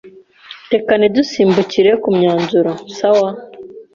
Reka ntidusimbukire kumyanzuro, sawa?